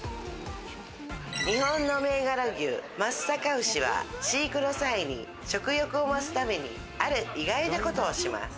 日本の銘柄牛・松阪牛は飼育の際に食欲を増すためにある意外なことをします。